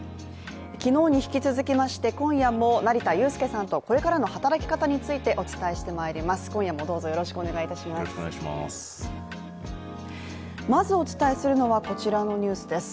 昨日に引き続きまして今夜も成田悠輔さんとこれからの働き方についてお伝えしてまいります。